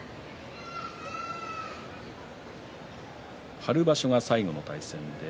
春場所が最後の対戦でした。